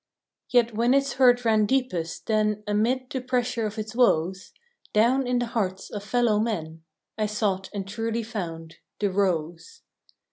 Yet when its hurt ran deepest, then Amid the pressure of its woes Down in the hearts of fellow men I sought and truly found the rose!